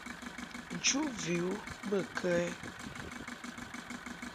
Nchuʼ vi u bə kə ɛ ?